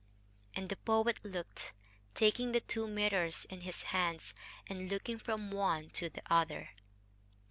And the poet looked taking the two mirrors in his hands, and looking from one to the other.